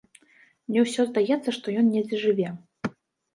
Мне ўсё здаецца, што ён недзе жыве.